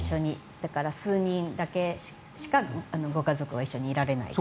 だから数人だけしかご家族は一緒にいられないという。